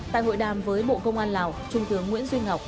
tại hội đàm với bộ công an lào trung tướng nguyễn duy ngọc